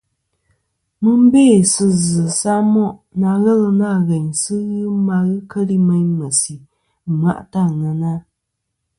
Mɨ n-bê sɨ zɨ̀ samoʼ na ghelɨ nâ ghèyn sɨ ghɨ ma ghɨ keli meyn mèsì ɨ̀mwaʼtɨ ɨ àŋena.